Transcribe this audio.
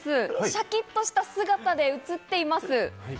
シャキっとした姿で映っています。